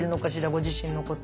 ご自身のこと。